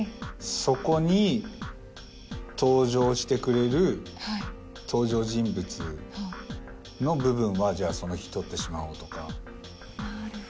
そこに登場してくれる登場人物の部分はその日撮ってしまおうとか。